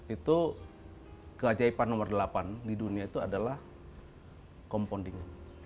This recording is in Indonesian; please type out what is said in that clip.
itu keajaiban nomor delapan di dunia itu adalah comfonding